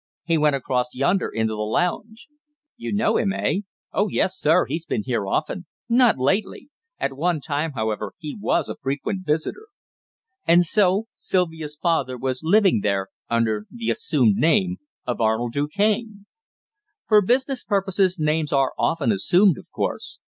"He went across yonder into the lounge." "You know him eh?" "Oh yes, sir. He's often been here. Not lately. At one time, however, he was a frequent visitor." And so Sylvia's father was living there under the assumed name of Arnold Du Cane! For business purposes names are often assumed, of course.